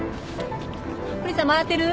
クニさん回ってる？